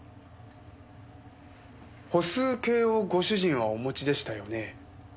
歩数計をご主人はお持ちでしたよねえ？